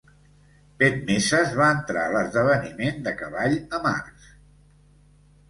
Petmezas va entrar a l'esdeveniment de cavall amb arcs.